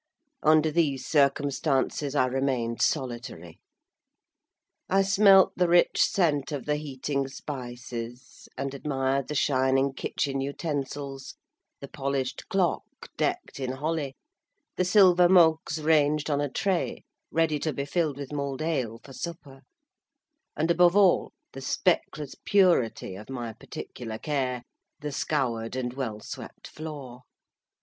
Under these circumstances I remained solitary. I smelt the rich scent of the heating spices; and admired the shining kitchen utensils, the polished clock, decked in holly, the silver mugs ranged on a tray ready to be filled with mulled ale for supper; and above all, the speckless purity of my particular care—the scoured and well swept floor.